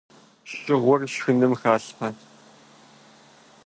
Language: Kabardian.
Шыгъур шхыным халъхьэ.